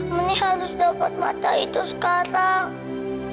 ini harus dapat mata itu sekarang